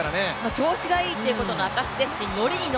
調子がいいということの証しですし、ノリにノ